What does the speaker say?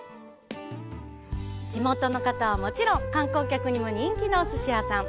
地元の方はもちろん観光客にも人気のおすし屋さん。